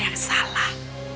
ada yang salah